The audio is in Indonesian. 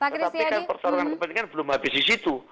tetapi kan pertarungan kepentingan belum habis di situ